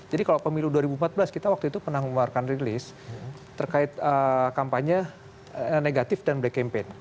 jadi kalau pemilu dua ribu empat belas kita waktu itu pernah mengeluarkan rilis terkait kampanye negatif dan black campaign